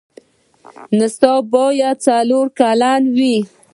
نصاب باید څلور کلن وي.